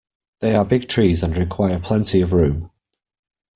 They are big trees and require plenty of room.